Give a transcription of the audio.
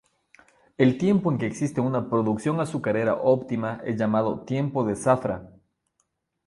El tiempo en que existe una producción azucarera óptima es llamado "tiempo de zafra".